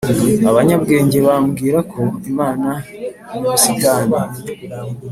abanyabwenge bambwira ko imana yubusitani